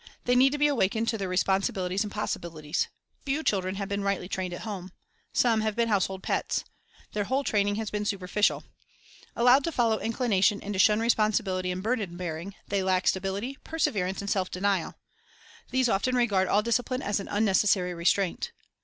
They need to be awakened to their responsibilities and possibilities. Few children have been rightly trained at home. Some have been household pets. Their whole training has been superficial. Allowed to follow inclination and to shun responsibility and burden bearing, they lack sta bility, perseverance, and self denial. These often regard all discipline as an unnecessary restraint.